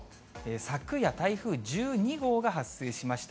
昨夜、台風１２号が発生しました。